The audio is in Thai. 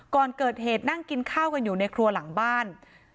ก่อนเกิดเหตุนั่งกินข้าวกันอยู่ในครัวหลังบ้าน